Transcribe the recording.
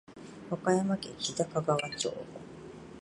和歌山県日高川町